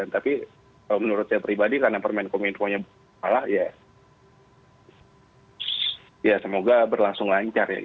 tapi menurut saya pribadi karena permain kominfo malah ya semoga berlangsung lancar